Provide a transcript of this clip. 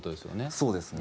そうですね。